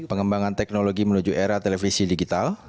pengembangan teknologi menuju era televisi digital